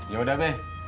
ya udah be